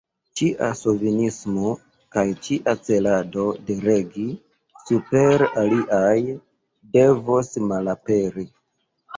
Ĉia ŝovinismo kaj ĉia celado de regi super aliaj, devos malaperi.